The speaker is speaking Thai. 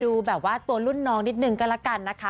ดูแบบว่าตัวรุ่นน้องนิดนึงก็แล้วกันนะคะ